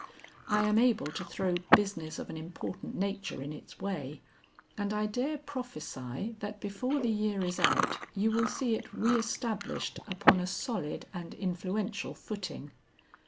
I am able to throw business of an important nature in its way, and I dare prophesy that before the year is out you will see it re established upon a solid and influential footing."